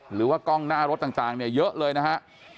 หรือว่ากล้องหน้ารถต่างเนี่ยเยอะเลยนะฮะ